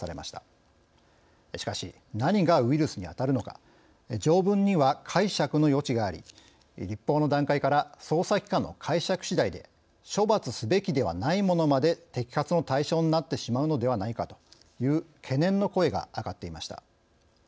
しかし何がウイルスにあたるのか条文には解釈の余地があり立法の段階から捜査機関の解釈しだいで処罰すべきではないものまで摘発の対象になってしまうのではないかという懸念の声が上がっていました。